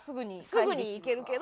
すぐにいけるけど。